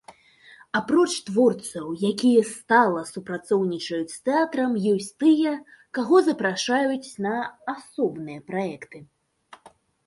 Апроч творцаў, якія стала супрацоўнічаюць з тэатрам ёсць тыя, каго запрашаюць на асобныя праекты.